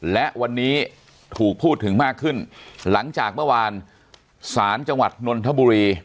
และวันนี้ถูกพูดถึงมากขึ้นหลังจากเมื่อวานศาลจังหวัดนนทบุรี